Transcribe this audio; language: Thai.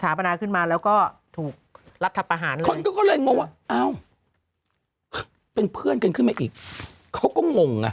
สาปนาขึ้นมาแล้วก็ถูกรับทัพอาหารเลยคนก็เลยงงว่าเป็นเพื่อนกันขึ้นมาอีกเขาก็งงน่ะ